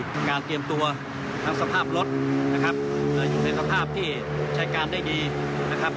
เป็นการเตรียมตัวทั้งสภาพรถนะครับอยู่ในสภาพที่ใช้การได้ดีนะครับ